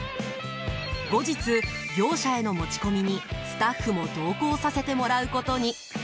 後日、業者への持ち込みにスタッフも同行させてもらうことに。